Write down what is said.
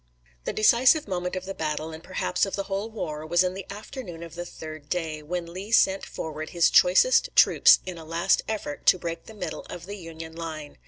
The decisive moment of the battle, and perhaps of the whole war, was in the afternoon of the third day, when Lee sent forward his choicest troops in a last effort to break the middle of the Union line.